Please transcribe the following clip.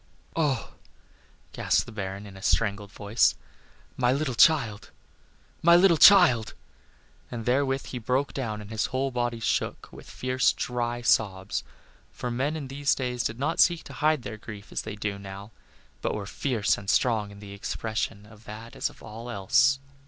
"Oh!" gasped the Baron, in a strangled voice, "my little child! my little child!" And therewith he broke down, and his whole body shook with fierce, dry sobs; for men in those days did not seek to hide their grief as they do now, but were fierce and strong in the expression of that as of all else.